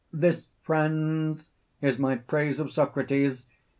This, friends, is my praise of Socrates.